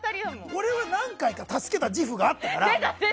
俺は何回か助けた自負があったから。